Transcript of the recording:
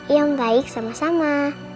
iya om baik sama sama